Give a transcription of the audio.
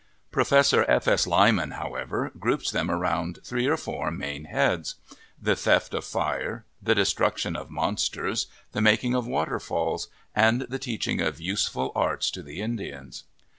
Professor F. S. Lyman, however, groups them around three or four main heads : the theft of fire, the destruction of monsters, the making of waterfalls, and the teaching of useful arts to the Indians.